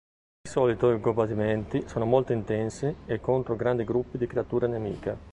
Di solito i combattimenti sono molto intensi e contro grandi gruppi di creature nemiche.